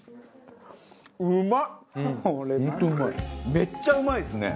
めっちゃうまいですね。